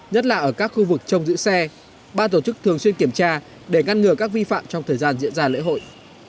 nhất là ở các khu vực trong giữ xe ba tổ chức thường xuyên kiểm tra để ngăn ngừa các vi phạm trong thời gian diễn ra lễ hội